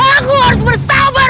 aku harus bersabar